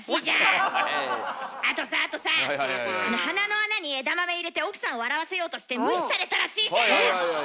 あとさあとさ鼻の穴に枝豆入れて奥さん笑わせようとして無視されたらしいじゃん！